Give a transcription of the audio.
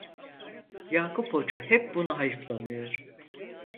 Yakup Hoca hep buna hayıflanıyor…